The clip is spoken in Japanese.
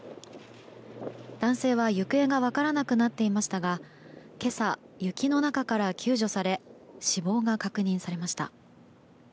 男性は行方が分からなくなっていましたが今朝、雪の中から救助され死亡が確認されました。